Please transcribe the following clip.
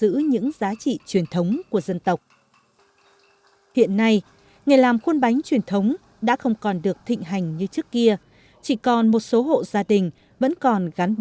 ông còn làm cả khuôn bánh hình các con vật